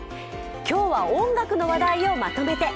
今日は、音楽の話題をまとめて。